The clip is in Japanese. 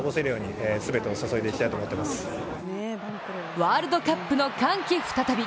ワールドカップの歓喜再び。